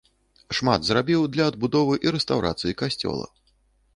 Шмат зрабіў для адбудовы і рэстаўрацыі касцёла.